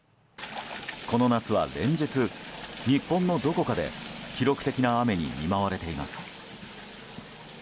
この夏は連日、日本のどこかで記録的な雨に見舞われています。